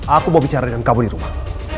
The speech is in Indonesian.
aku mau bicara dengan kamu di rumah